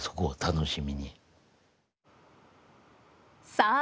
さあ